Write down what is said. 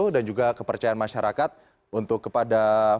dan juga kepercayaan masyarakat untuk kepada facebook